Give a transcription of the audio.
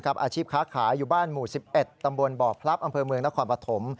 อาชีพค้าขายอยู่บ้านหมู่๑๑ตำบลบ่อพลับอำเภอเมืองนครปฐม